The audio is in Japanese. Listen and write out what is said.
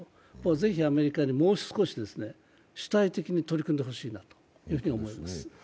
ぜひアメリカに、もう少し主体的に取り組んでほしいなと思います。